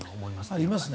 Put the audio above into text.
ありますね。